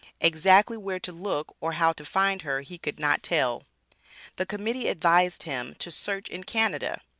Exactly where to look or how to find her he could not tell. The Committee advised him to "search in Canada."